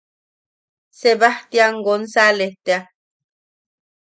Sebajtian Gonsales tea.